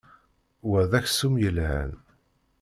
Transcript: Wa d aksum yelhan.